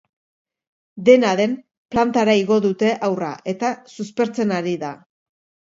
Dena den, plantara igo dute haurra eta suspertzen ari da.